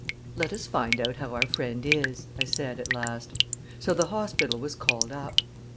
"Let us find out how our friend is," I said at last; so the hospital was called up.